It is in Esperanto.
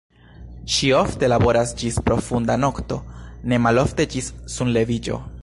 Ŝi ofte laboras ĝis profunda nokto, ne malofte ĝis sunleviĝo.